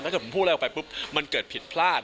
แล้วถ้าผมพูดอะไรออกไปมันเกิดผิดพลาด